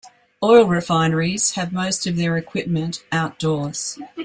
Oil refineries have most of their equipment outdoors.